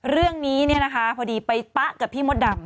เรื่องนี้เนี่ยนะคะพอดีไปปะกับพี่มดดำ